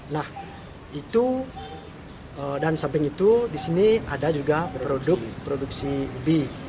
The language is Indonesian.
nah itu dan samping itu di sini ada juga produk produksi bi